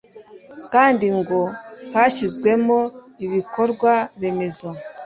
kandi ngo hashyizwemo ibikorwa remezo